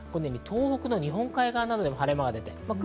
東北の日本海側などでも晴れ間が出ています。